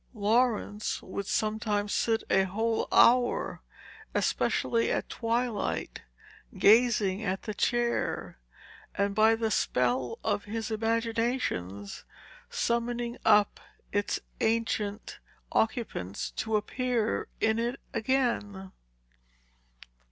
Laurence would sometimes sit a whole hour, especially at twilight, gazing at the chair, and, by the spell of his imaginations, summoning up its ancient occupants to appear in it again.